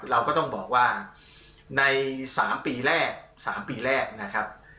เราก็ต้องบอกว่าใน๓ปีแรก๓ปีแรกนะครับ